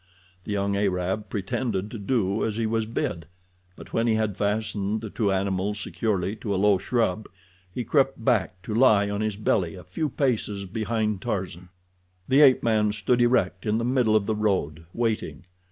The young Arab pretended to do as he was bid, but when he had fastened the two animals securely to a low shrub he crept back to lie on his belly a few paces behind Tarzan. The ape man stood erect in the middle of the road, waiting.